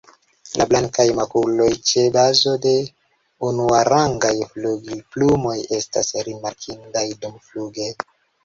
La blankaj makuloj ĉe bazo de unuarangaj flugilplumoj estas rimarkindaj dumfluge.